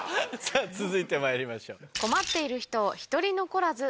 続いてまいりましょう。